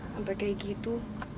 sampai kayak gitu